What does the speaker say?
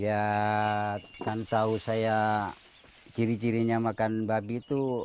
ya kan tahu saya ciri cirinya makan babi itu